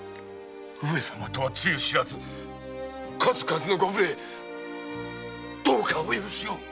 上様とは露知らず数々のご無礼どうかお許しを。